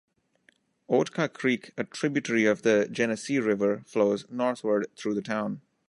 Oatka Creek, a tributary of the Genesee River, flows northward through the town.